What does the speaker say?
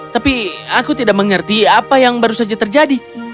tapi aku tidak mengerti apa yang baru saja terjadi